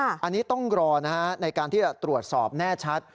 อันนี้ต้องรอในการที่จะตรวจสอบแน่ชัด